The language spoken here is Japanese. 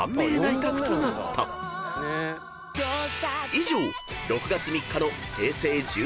［以上］